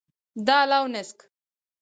دال او نسک.